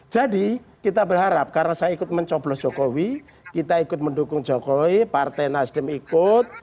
jadi kita berharap karena saya ikut mencoblos jokowi kita ikut mendukung jokowi partai nasdem ikut